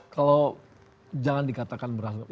kalau jangan dikatakan berhasil